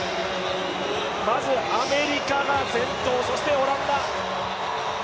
まず、アメリカが先頭、そしてオランダ。